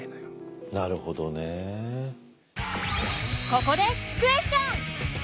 ここでクエスチョン！